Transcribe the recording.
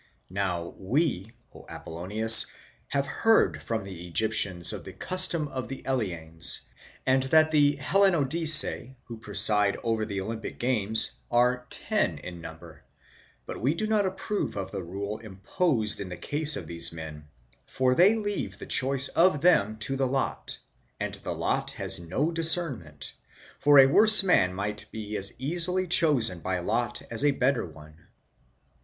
_Now we, Ὁ Apollonius, have heard from the Egyptians of the custom of the Elians, and that the Hellanodice, who preside over the: Olympic games, are ten in number; but we do, not approve of the rule imposed in the case of these men; for they leave the choice of them to the lot, and the lot has no discernment, for a worse man might be as easily chosen by lot as a 'better one.